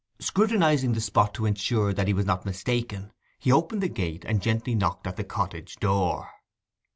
Scrutinizing the spot to ensure that he was not mistaken, he opened the gate and gently knocked at the cottage door.